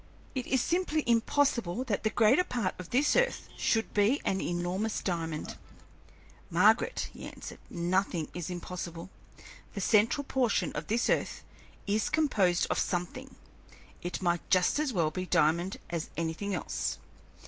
It is simply impossible that the greater part of this earth should be an enormous diamond." "Margaret," he answered, "nothing is impossible. The central portion of this earth is composed of something; it might just as well be diamond as anything else.